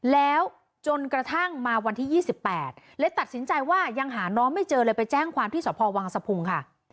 แล้วจนกระทั่งมาวันที่๒๘เลยตัดสินใจว่ายังหาน้องไม่เจอเลยไปแจ้งความที่สพวังสะพุงค่ะ